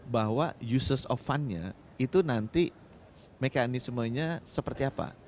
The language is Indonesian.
bahwa uses of fundnya itu nanti mekanismenya seperti apa